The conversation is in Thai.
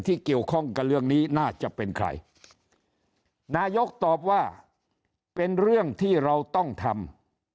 ที่เกี่ยวข้องกับเรื่องนี้น่าจะเป็นใครนายกตอบว่าเป็นเรื่องที่เราต้องทำ